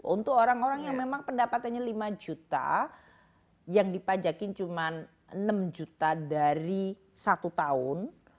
untuk orang orang yang memang pendapatannya lima juta yang dipajakin cuma enam juta dari satu tahun